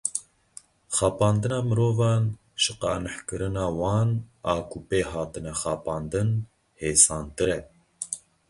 Xapandina mirovan ji qanihkirina wan a ku pê hatine xapandin, hêsantir e.